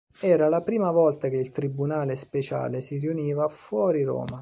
Era la prima volta che il Tribunale speciale si riuniva fuori Roma.